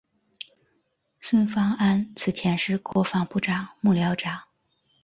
孙芳安此前是国防部长幕僚长。